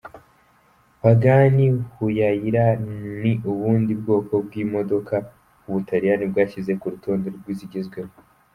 Pagani Huayra ni ubundi bwoko bw’imodoka u Butaliyani bwashyize ku rutonde rw’izigezweho.